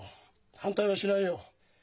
反対はしないよ。